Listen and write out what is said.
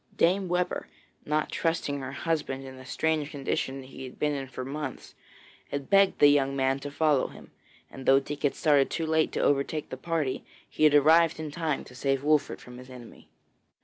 Dame Webber, not trusting her husband in the strange condition he had been in for months, had begged the young man to follow him, and though Dick had started too late to overtake the party, he had arrived in time to save Wolfert from his enemy.